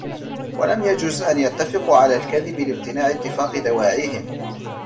وَلَمْ يَجُزْ أَنْ يَتَّفِقُوا عَلَى الْكَذِبِ لِامْتِنَاعِ اتِّفَاقِ دَوَاعِيهِمْ